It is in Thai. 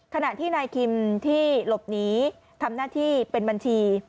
ขณะที่นายคิมที่หลบหนีทำหน้าที่เป็นบัญชี